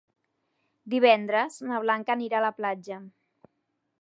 Divendres na Blanca anirà a la platja.